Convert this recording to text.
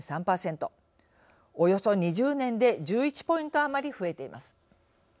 およそ２０年で１１ポイント余り増えています。